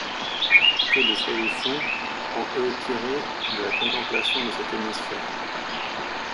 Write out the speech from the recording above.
Que de solutions on eût tirées de la contemplation de cet hémisphère!